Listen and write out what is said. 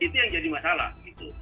itu yang jadi masalah gitu